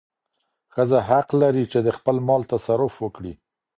ښځه حق لري چې د خپل مال تصرف وکړي.